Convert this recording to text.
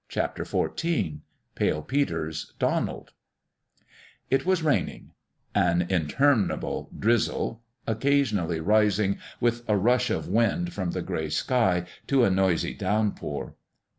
XIV PALE PETER'S DONALD IT was raining : an interminable drizzle, oc casionally rising, with a rush of wind from the gray sky, to a noisy downpour.